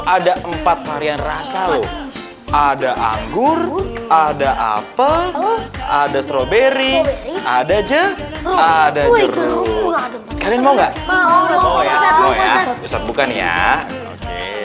ada empat varian rasa ada anggur ada apa ada strawberry ada aja ada jeruk kalian mau nggak